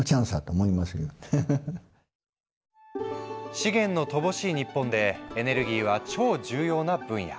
資源の乏しい日本でエネルギーは超重要な分野。